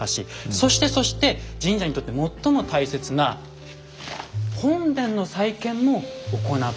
そしてそして神社にとって最も大切な本殿の再建も行っているんです。